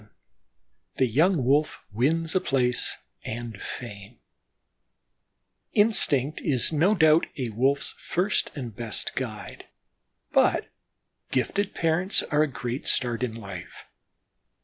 VII THE YOUNG WOLF WINS A PLACE AND FAME Instinct is no doubt a Wolf's first and best guide, but gifted parents are a great start in life.